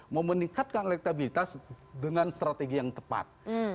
mau meningkatkan elektabilitas dengan strategi yang tepat